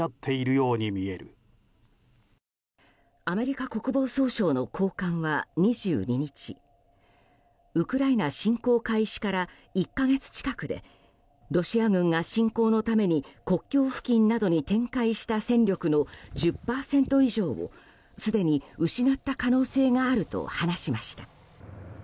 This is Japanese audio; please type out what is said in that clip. アメリカ国防総省の高官は２２日ウクライナ侵攻開始から１か月近くでロシア軍が侵攻のために国境付近度に展開した戦力の１０％以上をすでに失った可能性があると話しました。